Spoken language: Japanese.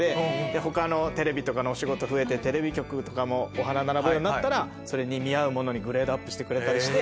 テレビとかのお仕事増えてテレビ局も花並ぶようになったらそれに見合うものにグレードアップしてくれたりして。